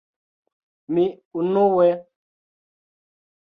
Mi unue...